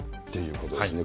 いうことですね。